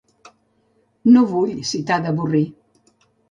No vull si t'ha d'avorrir.